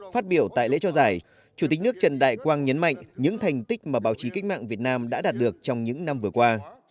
phát biểu tại lễ trao giải chủ tịch nước trần đại quang nhấn mạnh những thành tích mà báo chí cách mạng việt nam đã đạt được trong những năm vừa qua